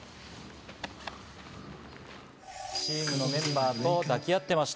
チームのメンバーと抱き合ってました。